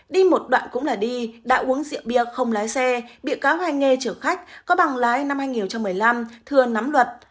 đi một đoạn cũng là đi đã uống rượu bia không lái xe bị cáo hay nghe chở khách có bằng lái năm hai nghìn một mươi năm thừa nắm luật